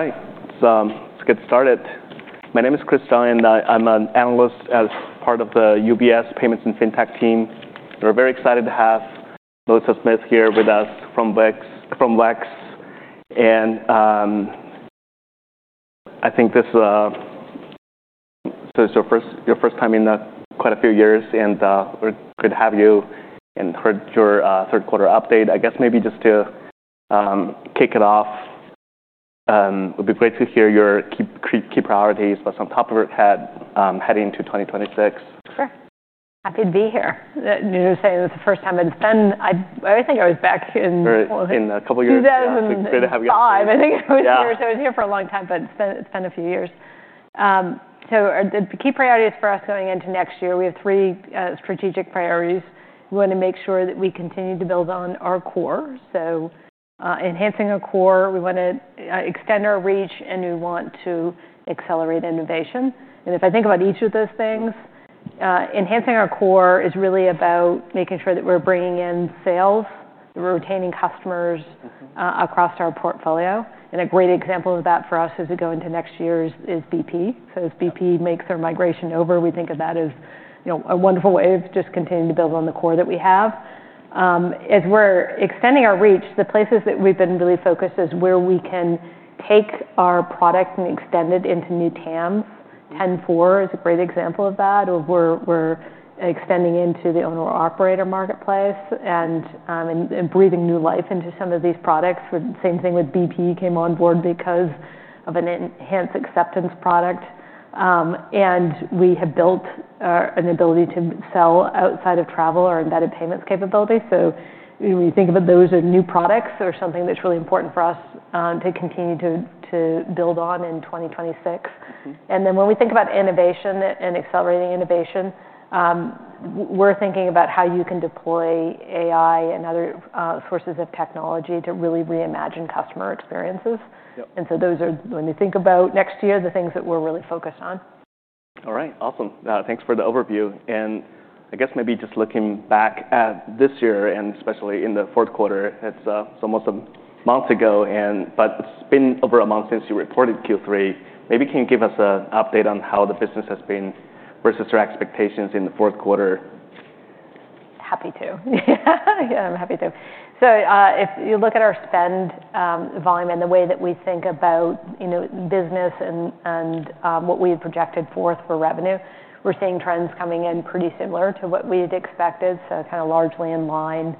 All right. So, let's get started. My name is Chris Stein. I'm an analyst as part of the UBS Payments and FinTech team. We're very excited to have Melissa Smith here with us from WEX. And I think this is your first time in quite a few years. And we're good to have you and heard your third quarter update. I guess maybe just to kick it off, it would be great to hear your key priorities. But some top of your head, heading into 2026. Sure. Happy to be here. You're saying it's the first time. It's been. I think I was back in. Right. In a couple years. 2005. I think it was years. Yeah. I was here for a long time, but it's been a few years. So the key priorities for us going into next year, we have three strategic priorities. We wanna make sure that we continue to build on our core. So, enhancing our core, we wanna extend our reach, and we want to accelerate innovation. And if I think about each of those things, enhancing our core is really about making sure that we're bringing in sales, that we're retaining customers. Mm-hmm. Across our portfolio. And a great example of that for us as we go into next year is BP. So as BP makes their migration over, we think of that as, you know, a wonderful way of just continuing to build on the core that we have. As we're extending our reach, the places that we've been really focused is where we can take our product and extend it into new TAM. Mm-hmm. 10-4 is a great example of that. Or we're extending into the owner-operator marketplace and breathing new life into some of these products. Same thing with BP came on board because of an enhanced acceptance product, and we have built an ability to sell outside of travel or embedded payments capability. So when we think about those as new products, they're something that's really important for us to continue to build on in 2026. Mm-hmm. And then when we think about innovation and accelerating innovation, we're thinking about how you can deploy AI and other sources of technology to really reimagine customer experiences. Yep. And so those are, when we think about next year, the things that we're really focused on. All right. Awesome. Thanks for the overview. I guess maybe just looking back at this year and especially in the fourth quarter, it's almost a month ago. But it's been over a month since you reported Q3. Maybe can you give us an update on how the business has been versus your expectations in the fourth quarter? Happy to. Yeah, I'm happy to. So, if you look at our spend volume and the way that we think about, you know, business and what we had projected forward for revenue, we're seeing trends coming in pretty similar to what we had expected. So kinda largely in line.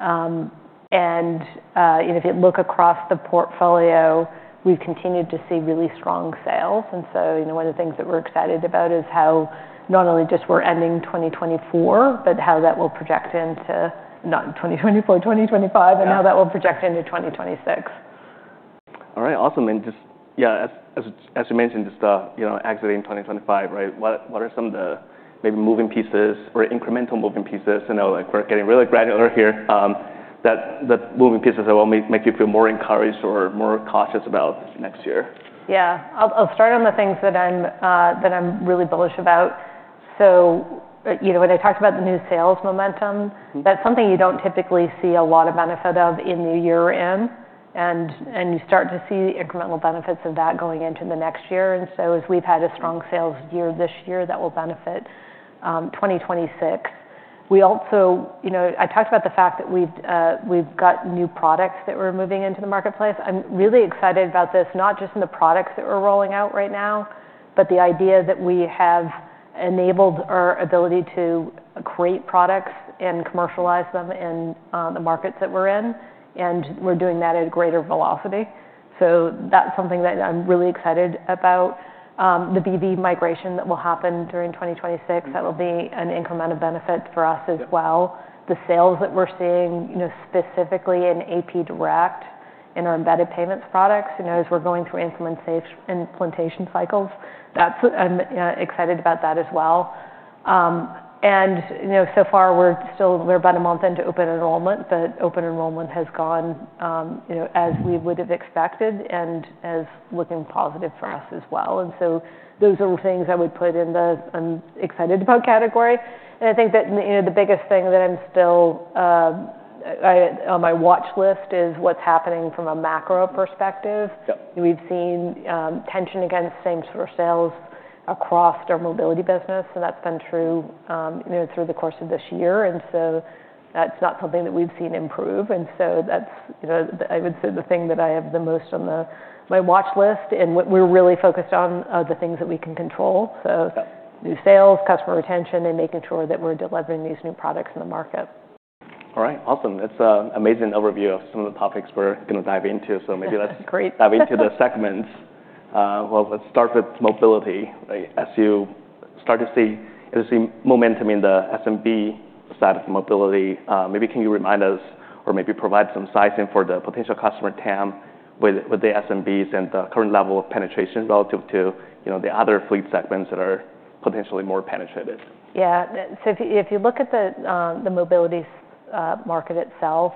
And you know, if you look across the portfolio, we've continued to see really strong sales. And so, you know, one of the things that we're excited about is how not only just we're ending 2024, but how that will project into 2025, and how that will project into 2026. All right. Awesome, and just, yeah, as you mentioned, just, you know, exiting 2025, right? What are some of the maybe moving pieces or incremental moving pieces? I know, like, we're getting really granular here, that moving pieces that will make you feel more encouraged or more cautious about next year? Yeah. I'll start on the things that I'm really bullish about. So, you know, when I talked about the new sales momentum. Mm-hmm. That's something you don't typically see a lot of benefit of in the year in. And you start to see incremental benefits of that going into the next year. And so as we've had a strong sales year this year that will benefit 2026. We also, you know, I talked about the fact that we've got new products that we're moving into the marketplace. I'm really excited about this, not just in the products that we're rolling out right now, but the idea that we have enabled our ability to create products and commercialize them in the markets that we're in. And we're doing that at a greater velocity. So that's something that I'm really excited about. The BP migration that will happen during 2026, that will be an incremental benefit for us as well. Mm-hmm. The sales that we're seeing, you know, specifically in AP Direct in our embedded payments products, you know, as we're going through implementation cycles. That's. I'm excited about that as well, and, you know, so far we're still about a month into open enrollment, but open enrollment has gone, you know, as we would've expected and as looking positive for us as well, and so those are things I would put in the "I'm excited about" category, and I think that, you know, the biggest thing that I'm still on my watch list is what's happening from a macro perspective. Yep. We've seen trends in same-store sales across our mobility business. And that's been true, you know, through the course of this year. And so that's not something that we've seen improve. And so that's, you know, the, I would say the thing that I have the most on my watch list and what we're really focused on are the things that we can control. So. Yep. New sales, customer retention, and making sure that we're delivering these new products in the market. All right. Awesome. That's an amazing overview of some of the topics we're gonna dive into. So maybe let's. That's great. Dive into the segments. Well, let's start with mobility, right? As you see momentum in the SMB side of mobility, maybe can you remind us or maybe provide some sizing for the potential customer TAM with the SMBs and the current level of penetration relative to, you know, the other fleet segments that are potentially more penetrated? So if you look at the mobility market itself,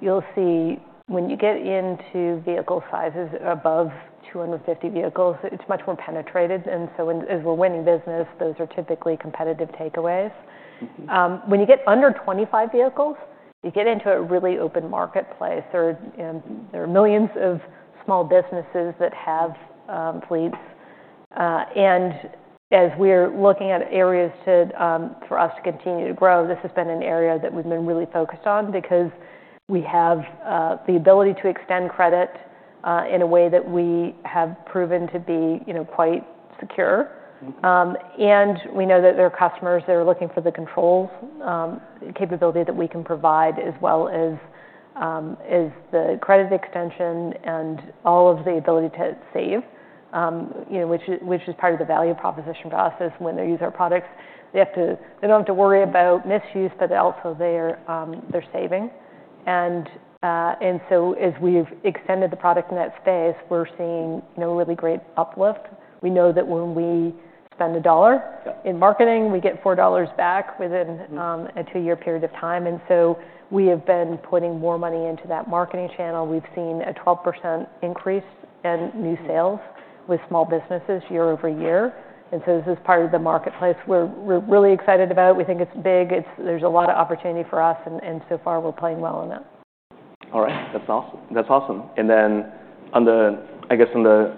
you'll see when you get into vehicle sizes above 250 vehicles, it's much more penetrated. And so as we're winning business, those are typically competitive takeaways. Mm-hmm. When you get under 25 vehicles, you get into a really open marketplace. There are, you know, millions of small businesses that have fleets, and as we are looking at areas for us to continue to grow, this has been an area that we've been really focused on because we have the ability to extend credit in a way that we have proven to be, you know, quite secure. Mm-hmm. And we know that there are customers that are looking for the controls, capability that we can provide as well as the credit extension and all of the ability to save, you know, which is part of the value proposition process when they use our products. They don't have to worry about misuse, but they're also there, they're saving. And so as we've extended the product in that space, we're seeing, you know, really great uplift. We know that when we spend a dollar. Yep. In marketing, we get $4 back within. Mm-hmm. a two-year period of time. And so we have been putting more money into that marketing channel. We've seen a 12% increase in new sales with small businesses year over year. And so this is part of the marketplace we're really excited about. We think it's big. There's a lot of opportunity for us. And so far we're playing well in that. All right. That's awesome. That's awesome. And then on the, I guess on the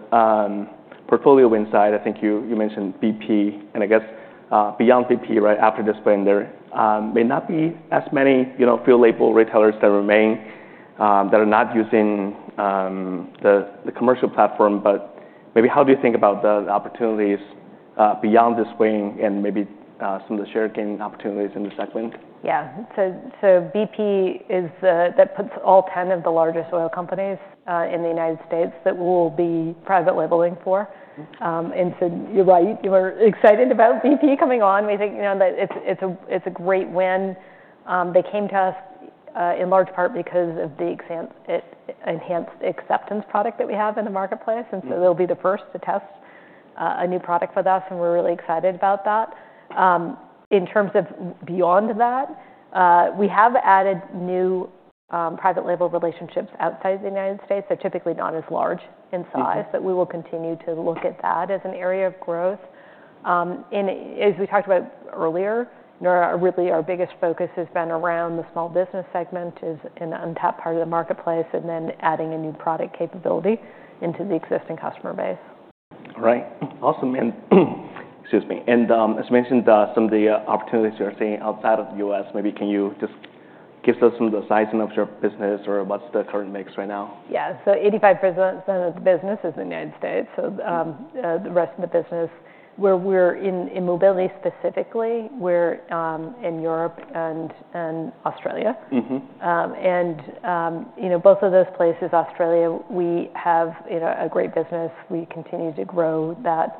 portfolio inside, I think you mentioned BP and I guess, beyond BP, right, after this window, may not be as many, you know, private label retailers that remain that are not using the commercial platform. But maybe how do you think about the opportunities beyond this window and maybe some of the share gain opportunities in the segment? Yeah. So, BP is the. That puts all 10 of the largest oil companies in the United States that we'll be private labeling for. Mm-hmm. And so you're right. We're excited about BP coming on. We think, you know, that it's a great win. They came to us, in large part because of the enhanced acceptance product that we have in the marketplace. Mm-hmm. And so they'll be the first to test a new product with us. And we're really excited about that. In terms of beyond that, we have added new private label relationships outside of the United States that are typically not as large in size. Mm-hmm. But we will continue to look at that as an area of growth. And as we talked about earlier, you know, our really our biggest focus has been around the small business segment, is in the untapped part of the marketplace, and then adding a new product capability into the existing customer base. All right. Awesome. And excuse me. And, as you mentioned, some of the opportunities you're seeing outside of the U.S., maybe can you just give us some of the sizing of your business or what's the current mix right now? Yeah. So 85% of the business is in the United States. So, the rest of the business where we're in, in mobility specifically, we're in Europe and Australia. Mm-hmm. You know, both of those places, Australia, we have, you know, a great business. We continue to grow that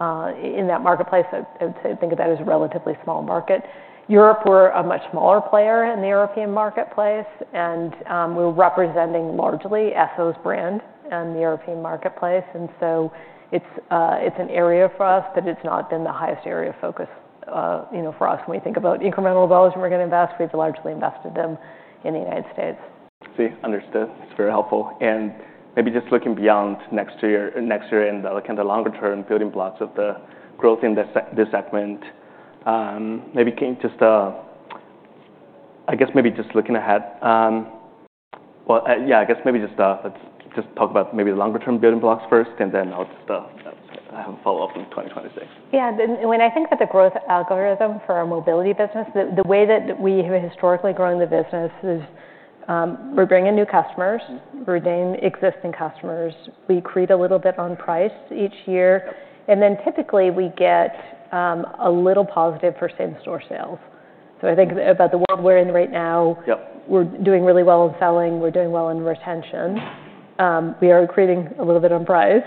in that marketplace. I would say think of that as a relatively small market. Europe, we're a much smaller player in the European marketplace. And we're representing largely Esso's brand in the European marketplace. And so it's an area for us, but it's not been the highest area of focus, you know, for us when we think about incremental dollars and we're gonna invest. We've largely invested them in the United States. See, understood. That's very helpful. And maybe just looking beyond next year and the kinda longer-term building blocks of the growth in this segment, maybe can you just, I guess, looking ahead, well, yeah, I guess, let's just talk about the longer-term building blocks first, and then I'll just have a follow-up in 2026. Yeah. When I think about the growth algorithm for our mobility business, the way that we have historically grown the business is, we're bringing in new customers. Mm-hmm. We're bringing existing customers. We create a little bit on price each year. Yep. And then typically we get a little positive for same-store sales. So I think about the world we're in right now. Yep. We're doing really well in selling. We're doing well in retention. Mm-hmm. We are creating a little bit on price.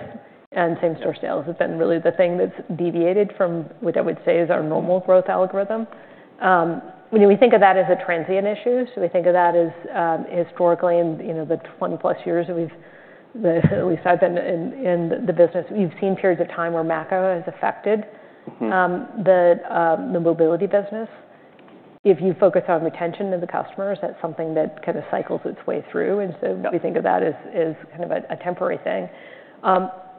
And same-store sales has been really the thing that's deviated from what I would say is our normal growth algorithm. You know, we think of that as a transient issue. So we think of that as, historically in, you know, the 20+ years that we've, the, at least I've been in, in the business, we've seen periods of time where macro has affected. Mm-hmm. The Mobility business. If you focus on retention of the customers, that's something that kinda cycles its way through. And so. Yep. We think of that as kind of a temporary thing.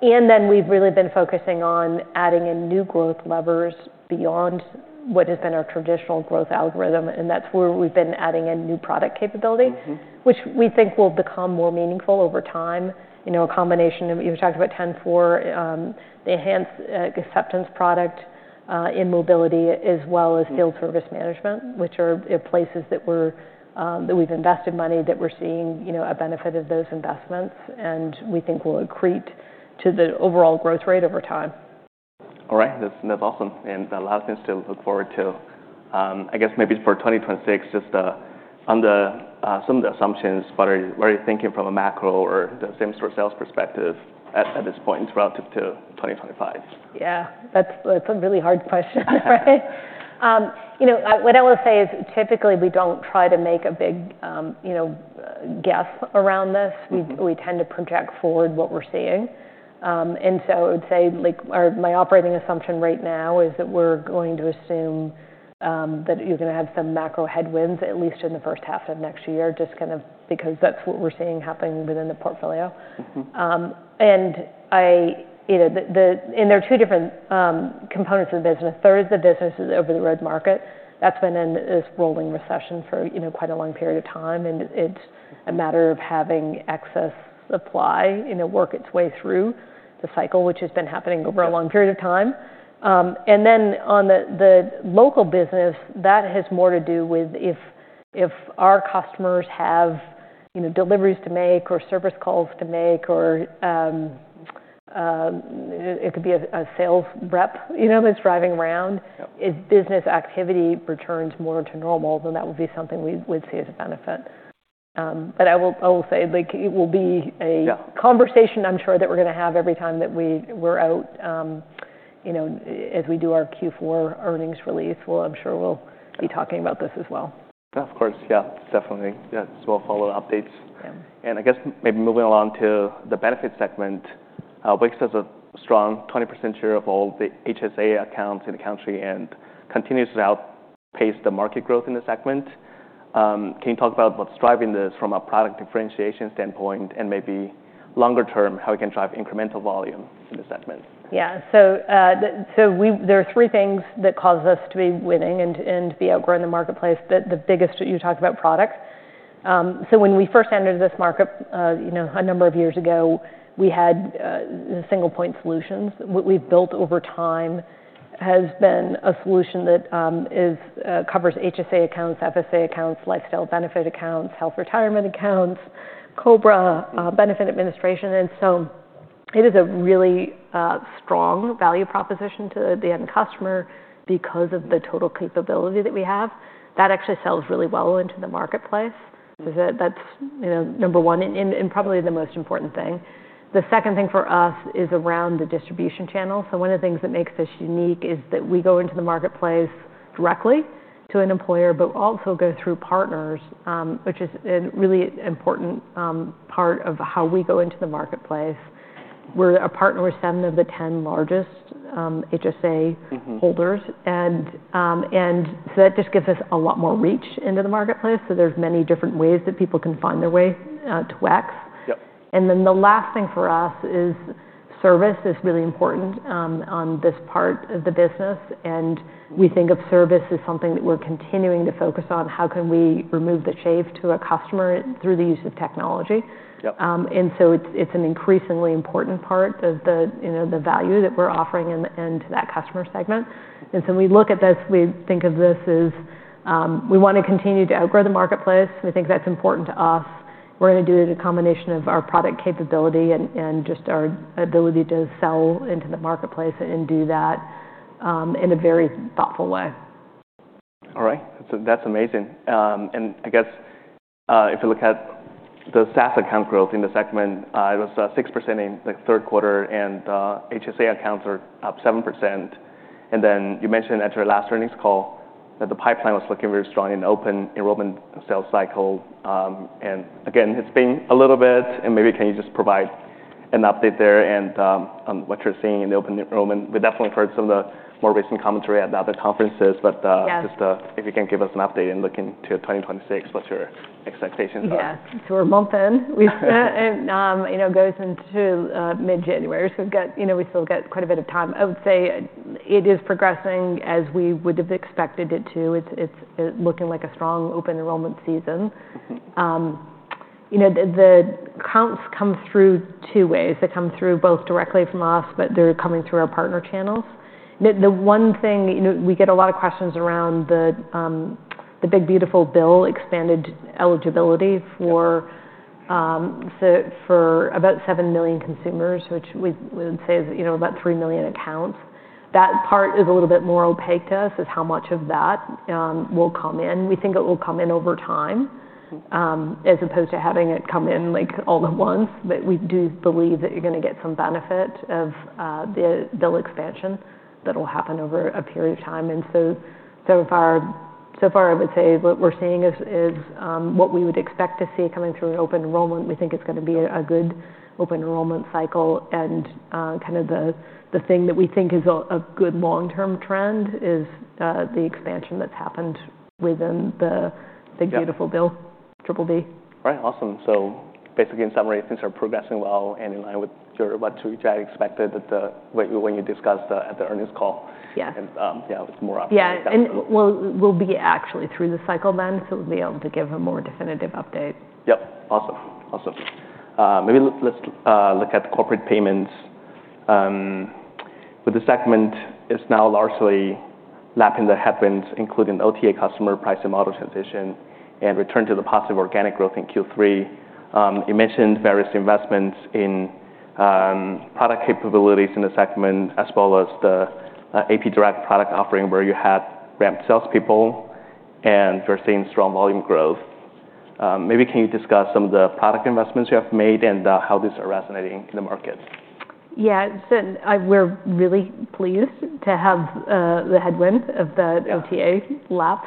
And then we've really been focusing on adding in new growth levers beyond what has been our traditional growth algorithm. And that's where we've been adding in new product capability. Mm-hmm. Which we think will become more meaningful over time. You know, a combination of, you talked about 10-4, the enhanced acceptance product, in mobility as well as field service management, which are, you know, places that we've invested money that we're seeing, you know, a benefit of those investments. And we think will accrete to the overall growth rate over time. All right. That's awesome. And a lot of things to look forward to. I guess maybe for 2026, just on some of the assumptions, what are you thinking from a macro or the same-store sales perspective at this point relative to 2025? Yeah. That's a really hard question, right? You know, what I will say is typically we don't try to make a big, you know, guess around this. Mm-hmm. We tend to project forward what we're seeing. And so I would say, like, my operating assumption right now is that we're going to assume that you're gonna have some macro headwinds at least in the first half of next year, just kind of because that's what we're seeing happening within the portfolio. Mm-hmm. There are two different components of the business. There is the business of the over-the-road market. That's been in this rolling recession for, you know, quite a long period of time. And it's a matter of having excess supply, you know, work its way through the cycle, which has been happening over a long period of time. And then on the local business, that has more to do with if our customers have, you know, deliveries to make or service calls to make or it could be a sales rep, you know, that's driving around. Yep. If business activity returns more to normal, then that would be something we would see as a benefit. But I will say, like, it will be a. Yep. Conversation. I'm sure that we're gonna have every time that we're out, you know, as we do our Q4 earnings release. We'll, I'm sure we'll be talking about this as well. Of course. Yeah. Definitely. Yeah. Just, we'll follow updates. Yeah. I guess maybe moving along to the benefits segment, WEX has a strong 20% share of all the HSA accounts in the country and continues to outpace the market growth in the segment. Can you talk about what's driving this from a product differentiation standpoint and maybe longer-term how we can drive incremental volume in the segment? Yeah. So there are three things that cause us to be winning and to be outgrowing the marketplace. The biggest you talked about product. So when we first entered this market, you know, a number of years ago, we had the single-point solutions. What we've built over time has been a solution that covers HSA accounts, FSA accounts, lifestyle benefit accounts, health retirement accounts, COBRA, benefit administration. And so it is a really strong value proposition to the end customer because of the total capability that we have. That actually sells really well into the marketplace. Mm-hmm. That's, you know, number one and probably the most important thing. The second thing for us is around the distribution channel. So one of the things that makes this unique is that we go into the marketplace directly to an employer, but also go through partners, which is a really important part of how we go into the marketplace. We're a partner with seven of the 10 largest HSA. Mm-hmm. Holders and so that just gives us a lot more reach into the marketplace, so there's many different ways that people can find their way to WEX. Yep. And then the last thing for us is service is really important on this part of the business. And we think of service as something that we're continuing to focus on. How can we remove the pain for a customer through the use of technology? Yep. And so it's an increasingly important part of the, you know, the value that we're offering into that customer segment. When we look at this, we think of this as we wanna continue to outgrow the marketplace. We think that's important to us. We're gonna do it a combination of our product capability and just our ability to sell into the marketplace and do that in a very thoughtful way. All right. That's, that's amazing, and I guess if you look at the SaaS account growth in the segment, it was 6% in the third quarter, and HSA accounts are up 7%. And then you mentioned at your last earnings call that the pipeline was looking very strong in open enrollment sales cycle, and again, it's been a little bit, and maybe can you just provide an update there and on what you're seeing in the open enrollment? We definitely heard some of the more recent commentary at other conferences, but. Yeah. Just, if you can give us an update in looking to 2026, what your expectations are? Yeah. So we're a month in. We've, you know, goes into mid-January. So we've got, you know, we still got quite a bit of time. I would say it is progressing as we would've expected it to. It's looking like a strong Open Enrollment season. Mm-hmm. You know, the counts come through two ways. They come through both directly from us, but they're coming through our partner channels. The one thing, you know, we get a lot of questions around the big beautiful bill, expanded eligibility for, so for about 7 million consumers, which we would say is, you know, about 3 million accounts. That part is a little bit more opaque to us as how much of that will come in. We think it will come in over time. Mm-hmm. As opposed to having it come in like all at once. But we do believe that you're gonna get some benefit of the bill expansion that'll happen over a period of time. And so, so far I would say what we're seeing is what we would expect to see coming through an open enrollment. We think it's gonna be a good open enrollment cycle. And kinda the thing that we think is a good long-term trend is the expansion that's happened within the beautiful bill. Yeah. Triple B. All right. Awesome. So basically in summary, things are progressing well and in line with what you expected when you discussed at the earnings call. Yeah. Yeah, it's more optimal. Yeah. And we'll, we'll be actually through the cycle then, so we'll be able to give a more definitive update. Yep. Awesome. Awesome. Maybe let's look at Corporate Payments. With the segment, it's now largely lapping the headwinds, including OTA customer price and model transition and return to the positive organic growth in Q3. You mentioned various investments in product capabilities in the segment as well as the AP Direct product offering where you had ramped salespeople and you're seeing strong volume growth. Maybe can you discuss some of the product investments you have made and how these are resonating in the market? Yeah. So we're really pleased to have the headwind of the OTA. Yep. Lap,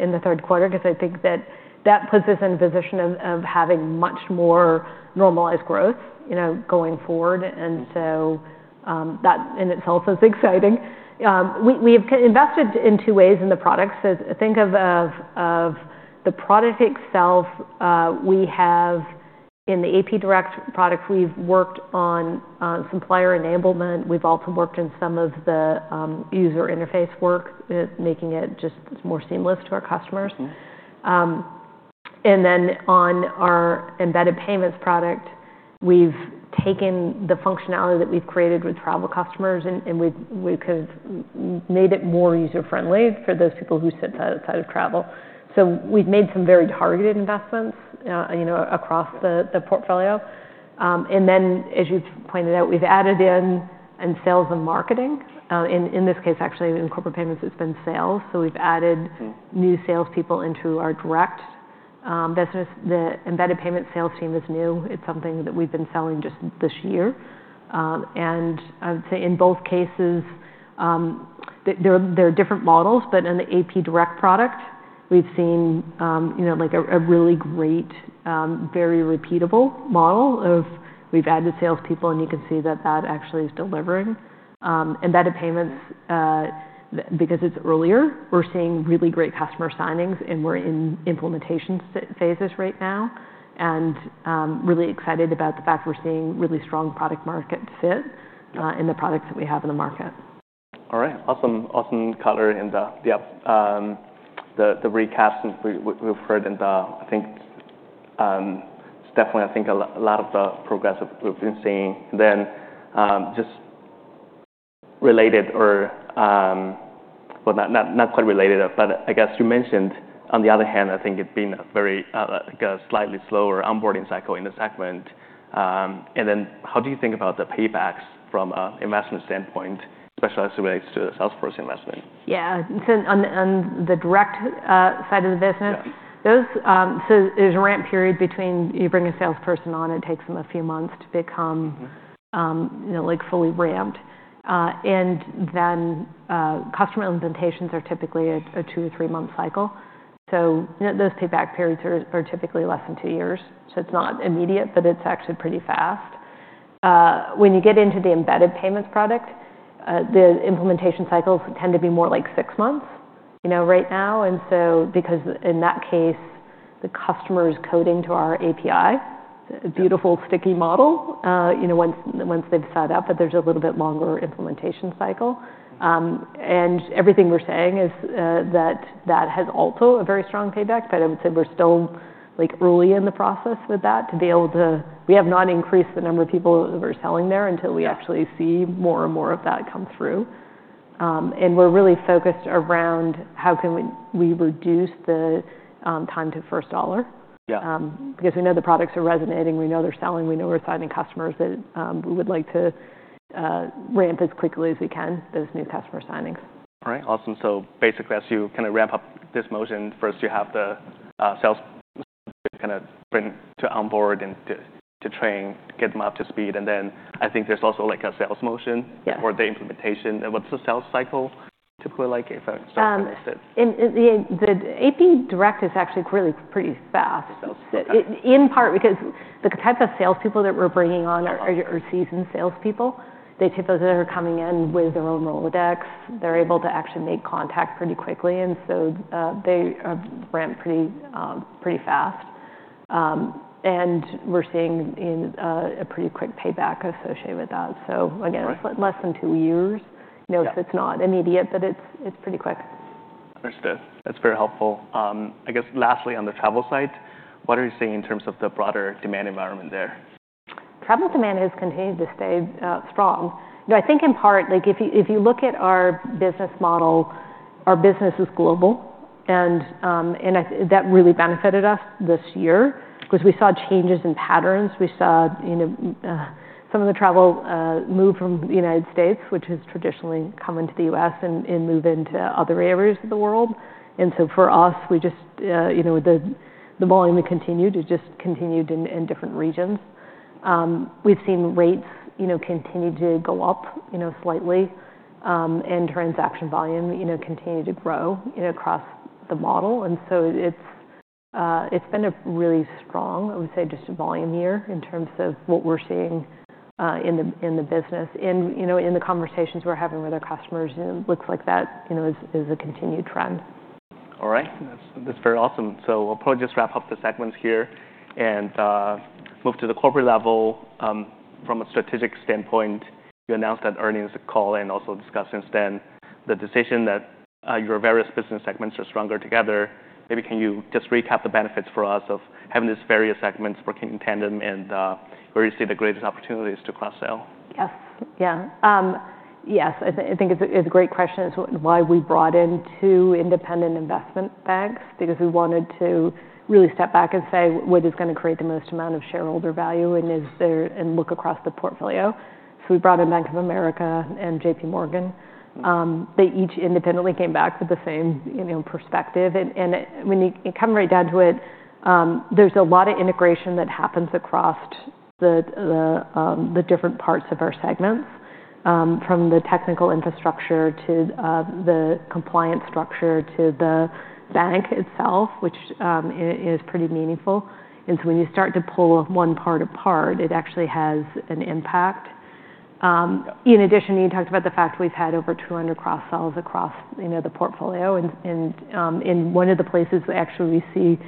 in the third quarter 'cause I think that puts us in a position of having much more normalized growth, you know, going forward. Mm-hmm. And so, that in itself is exciting. We have invested in two ways in the products. So think of the product itself. We have in the AP Direct product, we've worked on supplier enablement. We've also worked in some of the user interface work, making it just more seamless to our customers. Mm-hmm. And then on our Embedded Payments product, we've taken the functionality that we've created with travel customers and we've made it more user-friendly for those people who sit outside of travel. So we've made some very targeted investments, you know, across the portfolio. Then as you've pointed out, we've added in sales and marketing. In this case, actually in Corporate Payments, it's been sales. So we've added. Mm-hmm. New salespeople into our direct business. The embedded payments sales team is new. It's something that we've been selling just this year. And I would say in both cases, there are different models, but in the AP Direct product, we've seen, you know, like a really great, very repeatable model of we've added salespeople and you can see that actually is delivering. Embedded payments, because it's earlier, we're seeing really great customer signings and we're in implementation phases right now. And really excited about the fact we're seeing really strong product-market fit. Yep. in the products that we have in the market. All right. Awesome. Awesome, Carter. And, yep, the recaps we've heard and, I think, it's definitely, I think, a lot of the progressive we've been seeing. And then, just related or, well, not quite related, but I guess you mentioned on the other hand, I think it being a very, like a slightly slower onboarding cycle in the segment. And then how do you think about the paybacks from a investment standpoint, especially as it relates to the Salesforce investment? Yeah. So on the direct side of the business. Yep. So there's a ramp period between you bring a salesperson on, it takes them a few months to become. Mm-hmm. You know, like fully ramped. And then, customer implementations are typically a two- or three-month cycle. So, you know, those payback periods are typically less than two years. So it's not immediate, but it's actually pretty fast. When you get into the embedded payments product, the implementation cycles tend to be more like six months, you know, right now. And so because in that case, the customer is coding to our API, a beautiful sticky model, you know, once they've set up, but there's a little bit longer implementation cycle. And everything we're saying is that has also a very strong payback. But I would say we're still like early in the process with that to be able to. We have not increased the number of people that we're selling there until we actually see more and more of that come through. and we're really focused around how can we reduce the time to first dollar. Yeah. because we know the products are resonating, we know they're selling, we know we're signing customers that we would like to ramp as quickly as we can, those new customer signings. All right. Awesome. So basically as you kinda ramp up this motion, first you have the sales to kinda bring to onboard and to train, get them up to speed. And then I think there's also like a sales motion. Yeah. Or the implementation? And what's the sales cycle typically like if a sale is it? The AP Direct is actually really pretty fast. Sales cycle. In part because the type of salespeople that we're bringing on are seasoned salespeople. They typically are coming in with their own Rolodex. They're able to actually make contact pretty quickly. And so they ramp pretty fast, and we're seeing a pretty quick payback associated with that. So again. All right. Less than two years. Yep. You know, so it's not immediate, but it's pretty quick. Understood. That's very helpful. I guess lastly on the travel side, what are you seeing in terms of the broader demand environment there? Travel demand has continued to stay strong. You know, I think in part, like if you look at our business model, our business is global. And I think that really benefited us this year 'cause we saw changes in patterns. We saw, you know, some of the travel moved from the United States, which has traditionally come into the U.S. and moved into other areas of the world. And so for us, we just, you know, the volume continued to just continue in different regions. We've seen rates, you know, continue to go up, you know, slightly. And transaction volume, you know, continue to grow, you know, across the model. And so it's, it's been a really strong, I would say, just a volume year in terms of what we're seeing, in the business. You know, in the conversations we're having with our customers, you know, it looks like that, you know, is a continued trend. All right. That's, that's very awesome. So we'll probably just wrap up the segments here and move to the corporate level. From a strategic standpoint, you announced that earnings call and also discussed since then the decision that your various business segments are stronger together. Maybe can you just recap the benefits for us of having these various segments working in tandem and where you see the greatest opportunities to cross-sell? Yes, I think it's a great question as to why we brought in two independent investment banks because we wanted to really step back and say what is gonna create the most amount of shareholder value and is there and look across the portfolio. So we brought in Bank of America and JPMorgan. Mm-hmm. They each independently came back with the same, you know, perspective. And when you come right down to it, there's a lot of integration that happens across the different parts of our segments, from the technical infrastructure to the compliance structure to the bank itself, which is pretty meaningful. And so when you start to pull one part apart, it actually has an impact. In addition, you talked about the fact we've had over 200 cross-sells across, you know, the portfolio. And in one of the places we actually see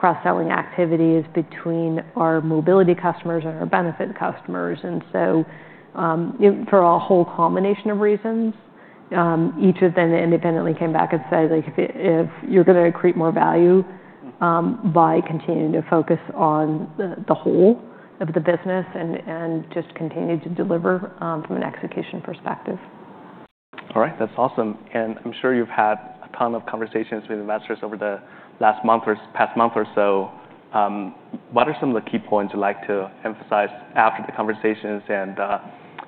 cross-selling activity is between our mobility customers and our benefit customers. And so, you know, for a whole combination of reasons, each of them independently came back and said, like, if you, if you're gonna create more value. Mm-hmm. by continuing to focus on the whole of the business and just continue to deliver from an execution perspective. All right. That's awesome. And I'm sure you've had a ton of conversations with investors over the last month or so. What are some of the key points you'd like to emphasize after the conversations and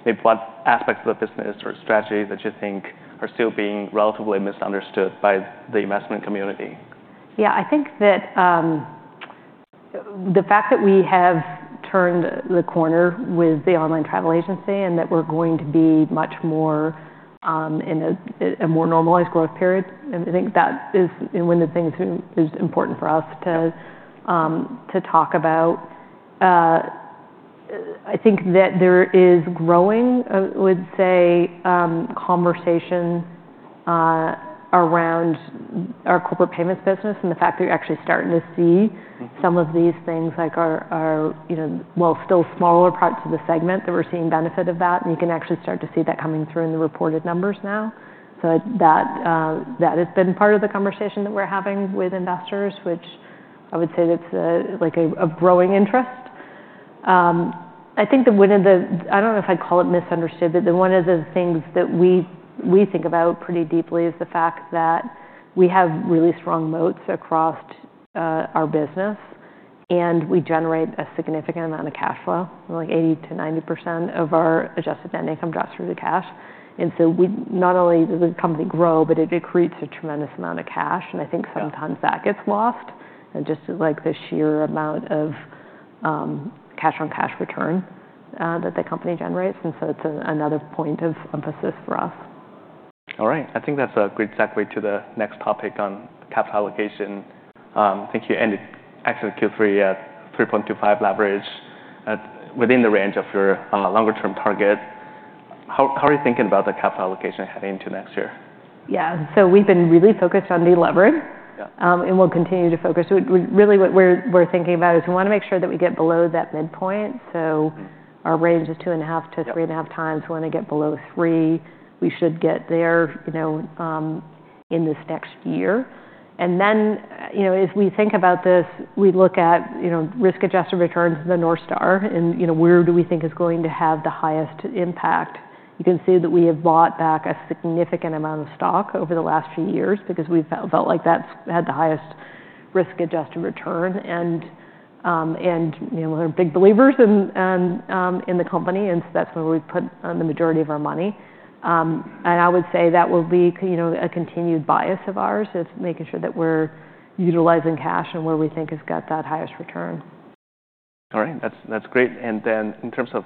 maybe what aspects of the business or strategy that you think are still being relatively misunderstood by the investment community? Yeah. I think that the fact that we have turned the corner with the online travel agency and that we're going to be much more in a more normalized growth period. And I think that is, you know, one of the things that is important for us to talk about. I think that there is growing, I would say, conversation around our corporate payments business and the fact that we're actually starting to see. Mm-hmm. Some of these things like our, you know, while still smaller parts of the segment that we're seeing benefit of that, and you can actually start to see that coming through in the reported numbers now, so that has been part of the conversation that we're having with investors, which I would say that's like a growing interest. I think that one of the, I don't know if I'd call it misunderstood, but that one of the things that we think about pretty deeply is the fact that we have really strong moats across our business and we generate a significant amount of cash flow. Like 80%-90% of our adjusted net income drops through the cash, and so we not only does the company grow, but it creates a tremendous amount of cash, and I think sometimes that gets lost. Just like the sheer amount of cash on cash return that the company generates. So it's another point of emphasis for us. All right. I think that's a great segue to the next topic on capital allocation. Thank you. And it actually Q3, 3.25 leverage, within the range of your longer-term target. How, how are you thinking about the capital allocation heading into next year? Yeah, so we've been really focused on the leverage. Yeah. and we'll continue to focus. We really what we're thinking about is we wanna make sure that we get below that midpoint. So our range is two and a half to three and a half times. We wanna get below three. We should get there, you know, in this next year. And then, you know, as we think about this, we look at, you know, risk-adjusted returns in the North Star and, you know, where do we think is going to have the highest impact? You can see that we have bought back a significant amount of stock over the last few years because we've felt like that's had the highest risk-adjusted return. And, you know, we're big believers in the company. And so that's where we've put the majority of our money. And I would say that will be, you know, a continued bias of ours is making sure that we're utilizing cash and where we think has got that highest return. All right. That's great. And then in terms of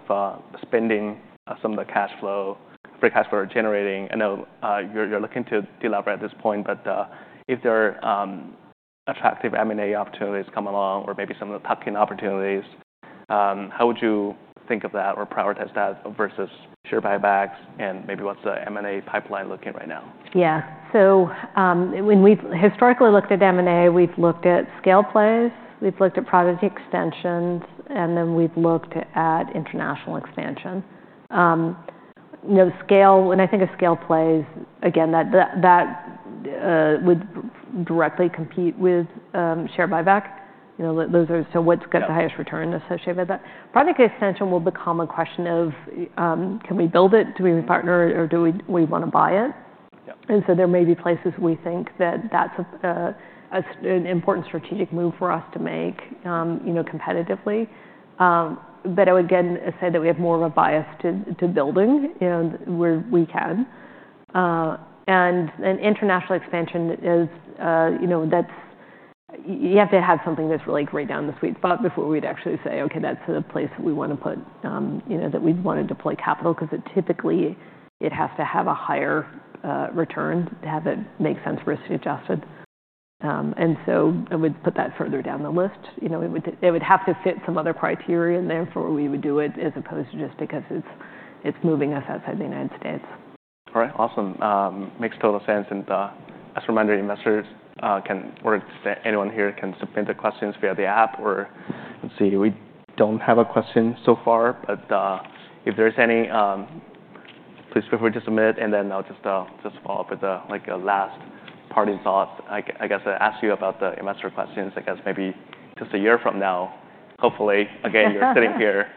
spending some of the cash flow free cash flow generating, I know you're looking to deleverage at this point, but if there are attractive M&A opportunities coming along or maybe some of the tuck-in opportunities, how would you think of that or prioritize that versus share buybacks, and maybe what's the M&A pipeline looking like right now? Yeah. So, when we've historically looked at M&A, we've looked at scale plays, we've looked at product extensions, and then we've looked at international expansion. You know, scale, when I think of scale plays, again, that would directly compete with share buyback. You know, those are so what's got the highest return associated with that. Product extension will become a question of, can we build it? Do we partner or do we, we wanna buy it? Yep. And so there may be places we think that that's an important strategic move for us to make, you know, competitively. But I would again say that we have more of a bias to building, you know, where we can. And then international expansion is, you know, that's you have to have something that's really great in the sweet spot before we'd actually say, okay, that's the place that we wanna put, you know, that we'd wanna deploy capital 'cause it typically has to have a higher return to have it make sense risk-adjusted. And so I would put that further down the list. You know, it would have to fit some other criteria in there before we would do it as opposed to just because it's moving us outside the United States. All right. Awesome. Makes total sense. And, as a reminder, investors can or anyone here can submit their questions via the app or let's see. We don't have a question so far, but if there's any, please feel free to submit. And then I'll just follow up with, like, a last parting thought. I guess I asked you about the investor questions. I guess maybe just a year from now, hopefully again, you're sitting here,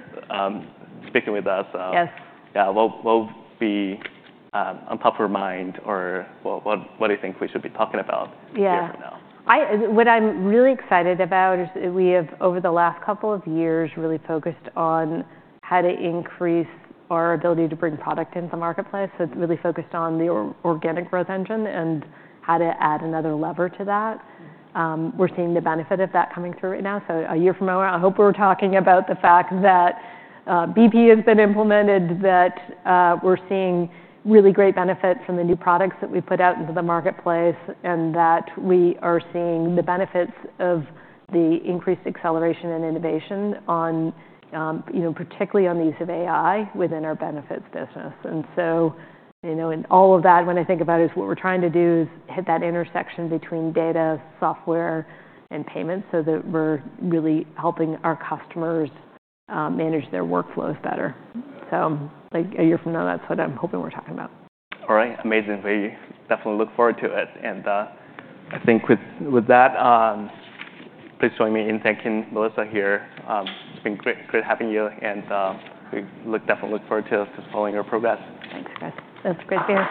speaking with us. Yes. Yeah. We'll be on top of your mind or what? What do you think we should be talking about? Yeah. A year from now. What I'm really excited about is that we have, over the last couple of years, really focused on how to increase our ability to bring product into the marketplace. So it's really focused on the organic growth engine and how to add another lever to that. We're seeing the benefit of that coming through right now. So a year from now, I hope we're talking about the fact that BP has been implemented, that we're seeing really great benefit from the new products that we put out into the marketplace and that we are seeing the benefits of the increased acceleration and innovation on, you know, particularly on the use of AI within our benefits business. And so, you know, and all of that, when I think about it, is what we're trying to do is hit that intersection between data, software, and payments so that we're really helping our customers manage their workflows better. So like a year from now, that's what I'm hoping we're talking about. All right. Amazing. We definitely look forward to it. And I think with that, please join me in thanking Melissa here. It's been great, great having you. And we look definitely forward to following your progress. Thanks, guys. That's great to hear.